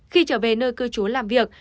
khi trở về nơi cư trú làm việc